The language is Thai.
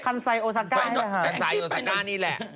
คันไซโอซาก้านี่แหละ